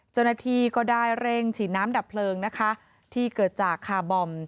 เจ้าหน้าที่ก็ได้เร่งฉีดน้ำดับเพลิงนะคะที่เกิดจากคาร์บอม